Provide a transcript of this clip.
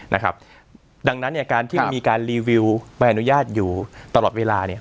นะครับดังนั้นเนี่ยการที่มีการรีวิวใบอนุญาตอยู่ตลอดเวลาเนี่ย